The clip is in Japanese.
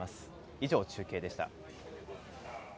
以上、中継でした。